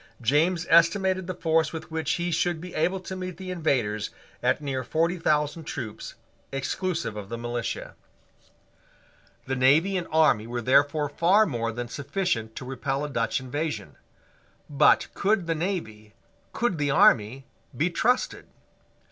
James estimated the force with which he should be able to meet the invaders at near forty thousand troops, exclusive of the militia. The navy and army were therefore far more than sufficient to repel a Dutch invasion. But could the navy, could the army, be trusted?